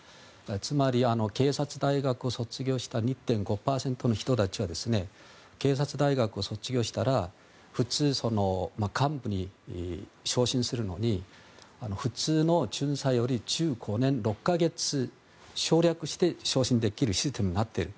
つまり、警察大学を卒業した２．５％の人たちは警察大学を卒業したら幹部に昇進するのに普通より１５年６か月省略して昇進できるシステムになっている。